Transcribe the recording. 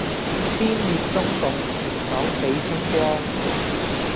天滅中共，全黨死清光